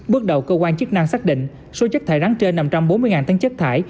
bước đầu cơ quan chức năng xác định số chất thải rắn trên năm trăm bốn mươi tấn chất thải